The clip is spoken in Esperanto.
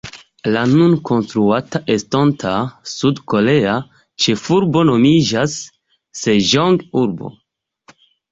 La nun konstruata estonta sud-korea ĉefurbo nomiĝas Seĝong-urbo.